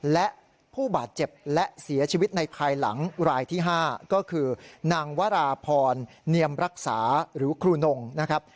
และผู้บาดเจ็บและเสียชีวิตในภายหลังรายที่๕ก็คือนางวราพรเนียมรักษาหรือครูนงนะครับ